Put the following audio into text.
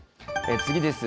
次です。